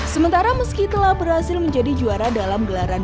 sementara meski telah berhasil menjadi juara dalam gelaran